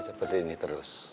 seperti ini terus